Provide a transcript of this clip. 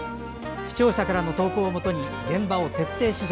視聴者からの投稿をもとに現場を徹底取材。